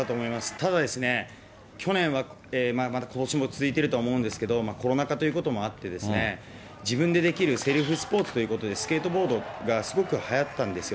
ただですね、去年は、まだ、ことしも続いていると思いますけれども、コロナ禍ということもあってですね、自分でできるセルフスポーツということで、スケートボードがすごくはやったんですよ。